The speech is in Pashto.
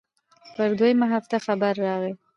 پر دويمه هفته خبر راغى.